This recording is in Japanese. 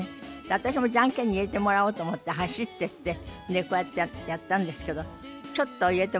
私もジャンケンに入れてもらおうと思って走ってってこうやってやったんですけどちょっと入れてもらえなくて。